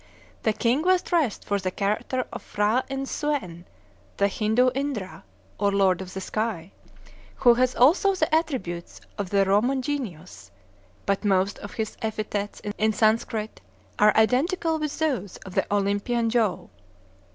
The king was dressed for the character of P'hra Inn Suen, the Hindoo Indra, or Lord of the Sky, who has also the attributes of the Roman Genius; but most of his epithets in Sanskrit are identical with those of the Olympian Jove.